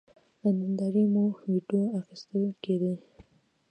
له نندارې مو وېډیو اخیستل کېدې.